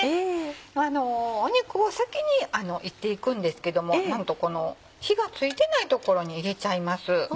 肉を先に炒っていくんですけどもなんとこの火が付いてない所に入れちゃいます。